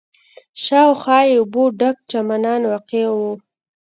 شاوخوا یې اوبو ډک چمنان واقع و.